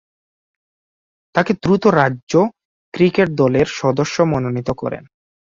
তাকে দ্রুত রাজ্য ক্রিকেট দলের সদস্য মনোনীত করেন।